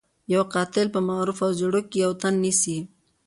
يو قاتل په معروف او زيړوک کې يو تن نيسي.